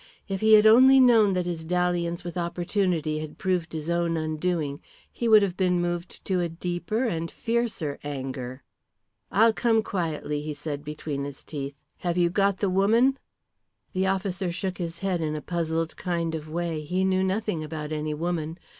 If he had only known that his dalliance with opportunity had proved his own undoing he would have been moved to a deeper and fiercer anger. "I'll come quietly," he said between his teeth. "Have you got the woman?" The officer shook his head in a puzzled kind of way. He knew nothing about any woman.